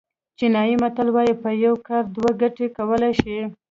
چینایي متل وایي په یو کار دوه ګټې کولای شي.